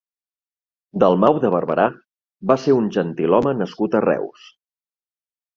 Dalmau de Barberà va ser un gentilhome nascut a Reus.